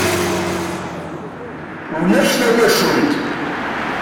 Ulac tawacult.